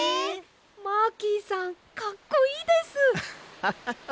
マーキーさんかっこいいです！ハハハ！